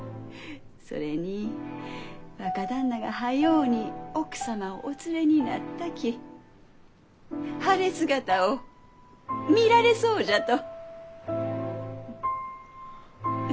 それに若旦那が早うに奥様をお連れになったき晴れ姿を見られそうじゃと。